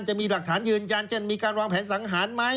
จะมีหลักฐานยืนยันเช่นมีการวางแผนสังหารไหม